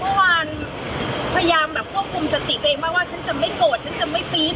มันเป็นเป็นไม่ได้อ่ะมันเป็นเป็นไม่ได้จริง